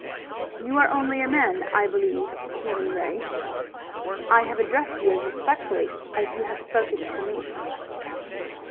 "You are only a man, I believe, Stephen Ray. I have addressed you as respectfully as you have spoken to me."